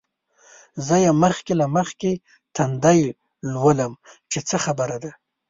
زه یې مخکې له مخکې تندی لولم چې څه خبره ده.